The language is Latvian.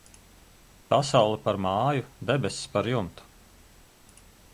Pasaule par māju, debess par jumtu.